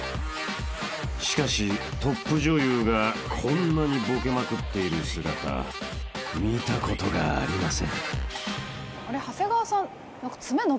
［しかしトップ女優がこんなにボケまくっている姿見たことがありません］